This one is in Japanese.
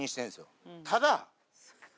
ただ。